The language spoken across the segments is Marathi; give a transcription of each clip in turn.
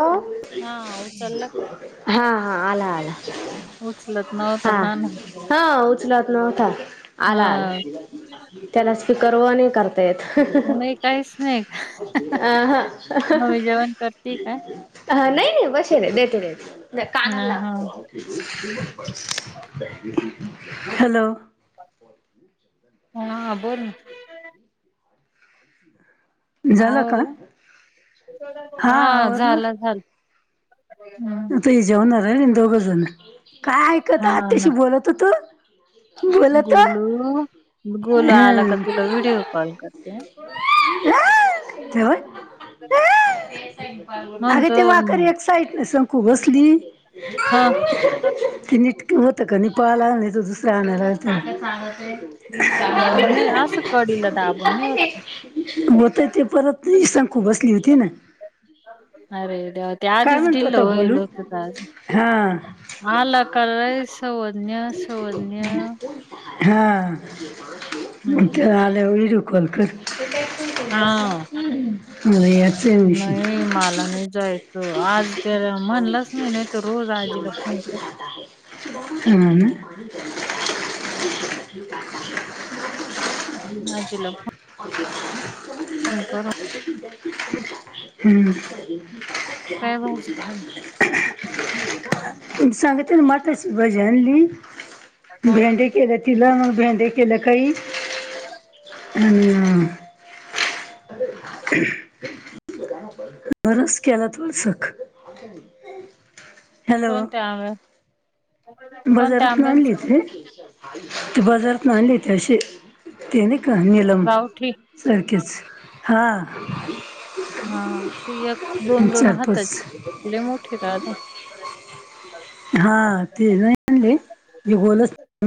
हो हा उचलला का? हां आंला आंला उचलत नव्हता हां हा ना हां उचलंत नव्हतां आंला हा आंला त्यांला स्वीकारला नाहीं करतां येतं नाही काहीच नाही का अं हं अं हं हं मम्मी जेवण करते का? हां नाहीं नाहीं बसेल आहे नाहीं देतो देतो हा कांनाला हा लावतो हॅलो हां बोलं झालं का आवरलं हा हां आवरलं झालं झालं ते जेवणांर आहे दोघं जणं कायं ऐकतं हा ना आत्याशी बोलतं होतो बोलत गोलू गोलू आंला की हं तुलां व्हिडिओ कॉल करतें [inaudible] [unintelligible] अरे म्हणतो ते वांकर हम्म, एक साईडला सरकूं बसली हा क निटं होतं कां नि पाला आणि नाहीं तरं दुसरया घरांत अं, नाही असं कडीला दाबून नाही होत ते. [unintelligible] [unintelligible] होतंय ते परंत इशां खूं बसली होती नां अरे देवां त्यां आधीच म्हणतो ढिल होता होईल गोलू होतं आंज हा आंला कायं सर्वज्ञ सर्वज्ञ हां हम्म ते आल्यावर व्हिडिओ कॉल करं हा मलां यांचं मशीन मलां नाहीं जायचं आंज त्यांला म्हणलंच नाहीं नाहीं तरं रोज आजीला फोन लाव हम्मं [inaudible] आजीला [unintelligible] फोन करूंन हम्मं ह [unintelligible] कायं भाजी पाला सांगतेने मटांची भाजी आनली हं. भेंडे केले तिलां मंग भेडे केले कांहीं अं बरंच केलां तोंडसंख अ [unintelligible] हॅलो कोणत्या आंब्या कोणत्या बाजारांत नां आंब्यांच? आणलीच रे ते बाजारांत आणली ती अशी ते नाहीत कां नीलम गावठी. सारखेचं हां हा. चारपचस लेय मोठी दादा. हा ते नाही आले. गोल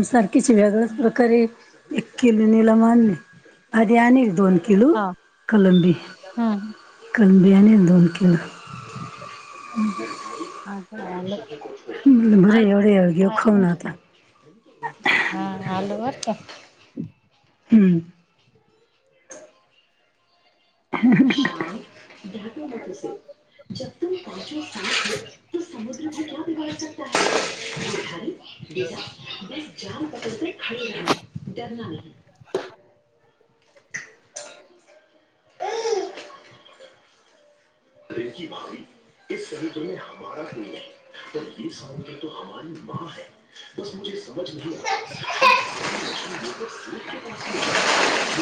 सारखे [unintelligible] वेगळच प्रकारे एक किलो नीलम आणले आधी आणि दोन किलो हा. कलंबी. हं. कोलंबी आणि दोन किलो. आता आणलं. बरे एवढे घे खाऊन आता. हा आलू बर का. हम्म. [inaudible] त समुद्र म क बिघाडकता खटा [inaudible] छान प खाळ नाही त्यांना नाही. हा, ट्रनकी भारी संयुग्र म हमारा नाही आहे [inaudible] तर सौ ह मां है [inaudible] [inaudible] बसे समज नाही आ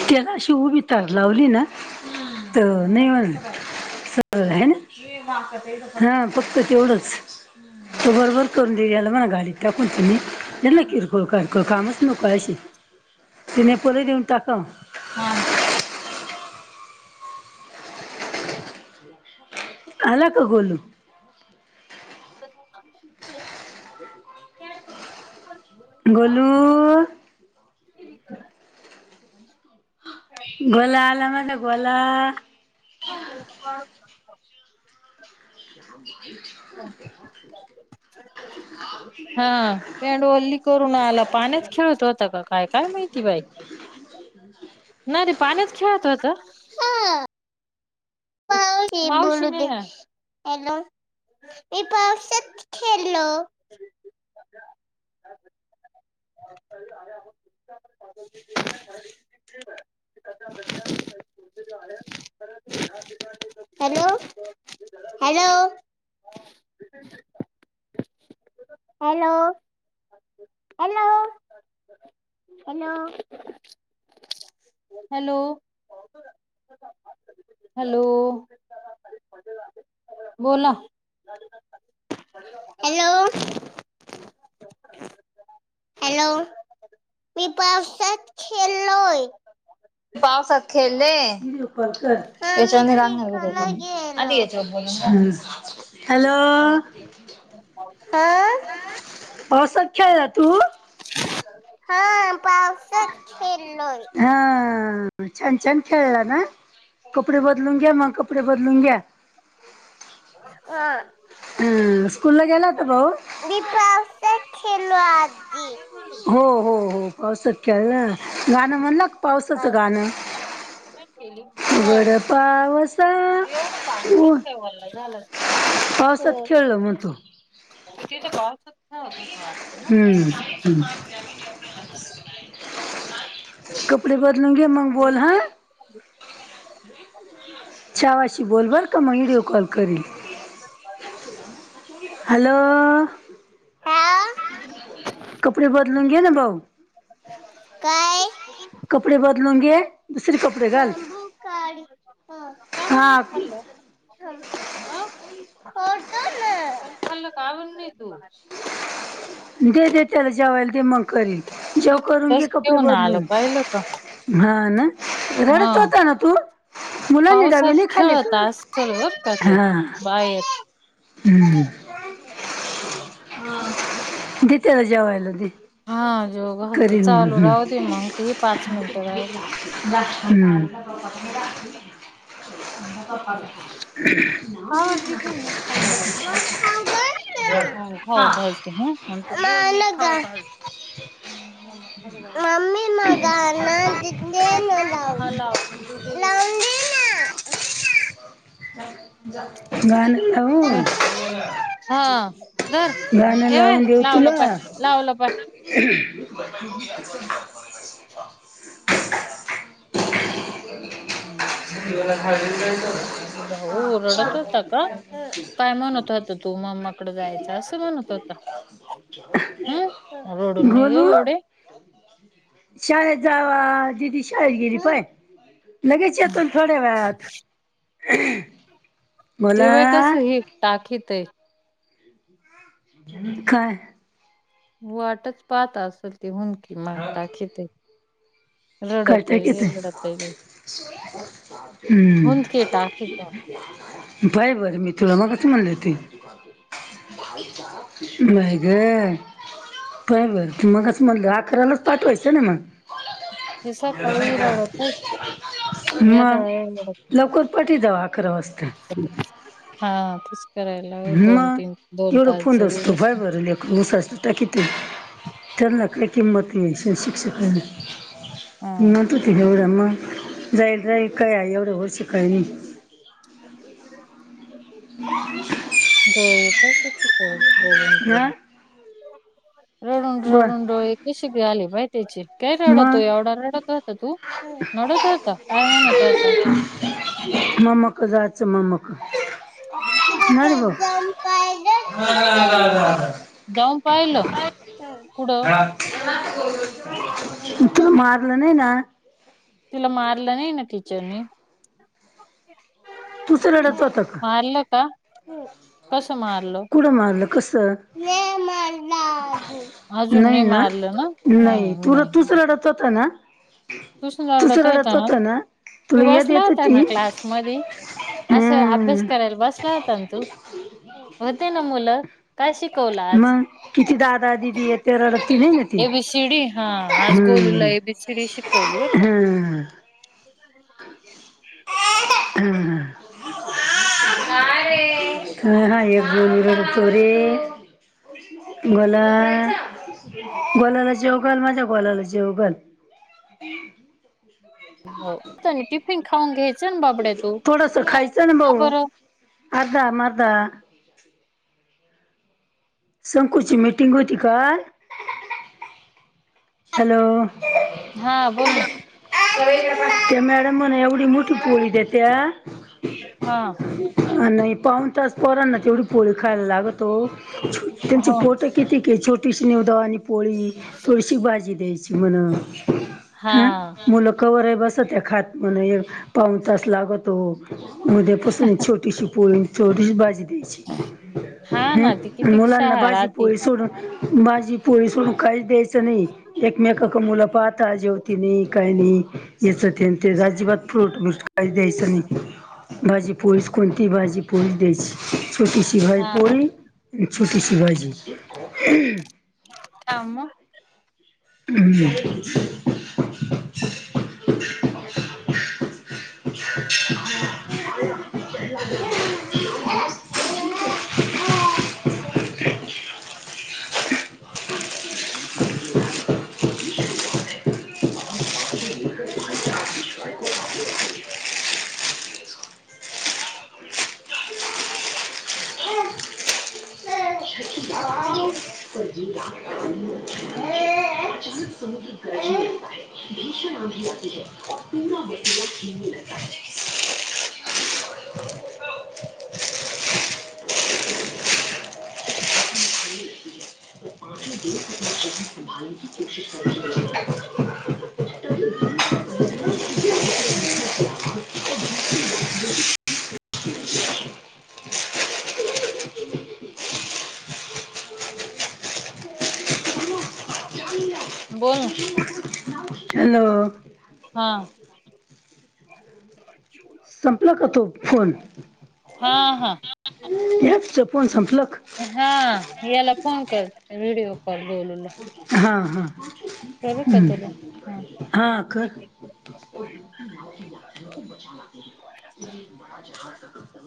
त्यालाशी उभीत लावली ना तर नाही म्हण. आहे ना हा फक्त तेवढंच. तो बरोबर करून देऊ याला मणा घालीत टाकून तुम्हीना किरकोळ काको कामच. नकाळशी तिने परत येऊन टाका. अला का गोलू. [inaudible] गोलू. ह [inaudible] गोला आला माझा गोला. ह [inaudible] [inaudible] [inaudible] हा पॅडवल्ली करून आला पाण्यात खेळत होता का. काय काय माहिती बाई नाही रे पाण्यातच खेळत होत. ह [inaudible] बोल हॅलो मी पावसात खेळलो. [inaudible] कोतेो आ [unintelligible] hello hello, hello, hello, hello, hello बोला. हॅलो, हॅलो मी पावसात खेळलोय. पावसत खेळले. हा मी याच्यावर रांगणार व्हिडिओ तिकडे पून आधी गेलो याच्यावर बोलून. हॅलो, हा, पावसात खेळला तू? हा पावसात. खेळलोय हा छान, छान खेळला ना. कपडे बदलून घ्या मग, कपडे बदलून घ्या. हा अं स्कूल ला गेला होता भाऊ? मी पावसात खेळलो आजी. हो हो हो पावसात खेळला गाणं म्हणला पावसाचं गाणं? [inaudible] के उघड पावसा एवढं पाणी उ कसव ओल झालं ते? पावसात खेळलो म्हणतो. तिथं पावसात खेळत होता वाटत. हम्म. हम्म. कपडे बदलून घे मग बोल ह. छवाशी बोलबर का मग व्हिडिओ कॉल करील. हॅलो.. हा कपडे बदलून घेना भाऊ. काय? कपडे बदलून घे. दुसरे कपडे घाल मी भु काळी ह, का बर नाही हा खल्लं? खातो ना, पण खाल्ल का बर नहीं तू? दे दे त्याला जेवायला दे मग करेन जेव करून तूच घे कपडे घेऊन आलं बदलून. पाहिलं का? हा ना रडत हा. होता ना तू? मुलांनी डबे पावसात नाही खाल्ले खेळत का? असल बरं का ते हा. हम्म. कशाला. दे त्याला जेवायला दे. हा जेवु घलते करीन मग चालू हम्म. राहु दे मग ते पाच मिनिटं राहिले. हम्म [inaudible] का बर टिफीन नी खाला बोलला? म खाऊ घालून. हो घालते ह [inaudible] मम्मा खाऊ घालते. गाण दे दे देन लाऊन हा लावते लावून देना. गाण लावून. हा धर गाणं ये बाय लावून देऊ लावलं पाय तुला. लावलं पाय ह् [inaudible] बोल बोल ना बोल खालीयच [inaudible] अरे भाऊ रडत होता का? हम्म काय म्हणत होता तू मम्माकड जायच असं म्हणत होता. बत च [inaudible] हम्म, रोडून नाही ह एवढे. शाळेत जावा दिदी शाळेत गेली पाय लगेच येतोन थोड्या वेळात. ह [inaudible] ते व्हाय कस हे टाकीत आहे. [unintelligible] हम्म काय? वाटच पाहत असल ती हुन कि म टाकी ते. कटक येत [unintelligible] हुंदके टाकीतो. पाह्य बर मी तुला मगाशी म्हणली तहोती. व्हय ग. पाह्य बर मघाच म्हणलं अकरालाच पाठवायचं ना मग. ते सकाळी रडतय या मग? तळाला रडतय. लवकर पाठवीत जावा अकरा वाजता. हा. तेच. करायला ह. लागेल दोन तीन मग दोन एवढं तास जरी [unintelligible] पाह्य बसून बर लेकरू [unintelligible] किती. त्यांना काय किंमत नहीं शिक्ष [unintelligible] हा. [unintelligible] एवढं मग? जाईल जाईल काय एवढं वर्ष काय नाही. हम् [unintelligible] बोलून बोल. कशी बॉल ए पाह्य त्याची. काय रडतो? एवढा रडत होता तो? हं. रडत होता काय म्हणत होता? मम्मा कडे जायचं. ममा क - जाऊन पाह्यल? ह कुडं? तू न मारलं नाही ना? तुला मारलं नाही ना टीचरनी? तूच रडत होता का मारलं का? कस मारल? कुड मारलं कसं? [unintelligible] अजून नाही मारलं ना? नाही. तू तूच रडत होता ना? [unintelligible] होता ना? तू तुला याद बसला येत होता ना होती क्लास मधे? असं अभ्यास- हम्म करायला बसला होता ना तू? होते ना मुलं? काय शिकवला? मग किती दादा दिदी येत्या. रडती नहीं ना ती. सी डी हा. आज गोलूला ए बी सी डी शिकवली बर का. हम्म. हम्म. [unintelligible] गोलू रडतो रे. गोला. गोल्याला जेऊ घाल. माझ्या गोल्याला जेऊ घाल. हो टिफिन खाऊन घ्यायचं ना बाबड्या तू. थोडस नाही. खायचं ना का भाऊ. बरं अर्धा मर्दा. संकूची मीटिंग होती का? हॅलो. हा. बोल ना. त्या मॅडम म्हणे एवढी मोठी पोळी देत्या. हा. नाही पाऊन तास पोरांना तेवढी पोळी खायला लागतो. त्यांची हो पोट- किती क ए? छोटीशी निवदया वाणी पोळी थोडीशी भाजी द्यायची म्हण. हा. मुलं कवर बसत्या खात म्हण, पाऊन तास लागतो. म उद्यापासून छोटीशी पोळी छोटीशी भाजी द्यायची. हा हम्. ना ती किती मुलांना शाळा राहती भाजीपोळी सोडून- भाजी पोळी सोडून काहीच द्यायचं नाही. एकमेकाक मुलं पाहता जेवतीनी काय नाई काय नी याच तेन ते अजिबात फ्रूट मि द्यायचा नाई भाजी पोळीच कोणती भाजी पोळीच द्यायची. छोटीशी बाय हा पोळी छोटीशी भाजी. काम हम्. [unintelligible] [inaudible] [unintelligible] [unintelligible] [inaudible] [unintelligible] बोल ना. हॅलो. हा. [unintelligible] संपला का तो फोन हा हा हा हेच फोन संपल हा याला फोन करते व्हिडिओ कॉल गोलुला. हा हा. कर का तुला हा? हा कर.